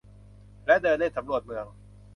และเดินเล่นสำรวจเมือง